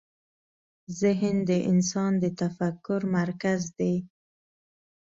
ذهن د انسان د تفکر مرکز دی.